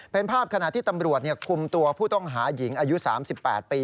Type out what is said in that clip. เป็นภาพขณะที่ตำรวจคุมตัวผู้ต้องหาหญิงอายุ๓๘ปี